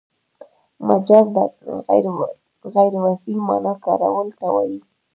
مجاز د غیر وضعي مانا کارولو ته وايي.